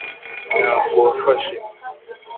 ntabwo wafashe